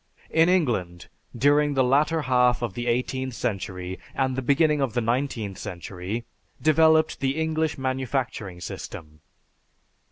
In England, during the latter half of the eighteenth century and the beginning of the nineteenth century, developed the English manufacturing system.